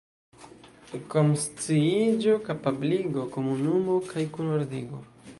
Konsciiĝo, kapabligo, komunumo kaj kunordigo.